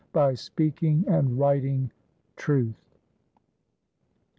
by speaking and writing truth!